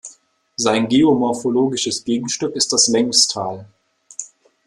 Sein geomorphologisches Gegenstück ist das Längstal.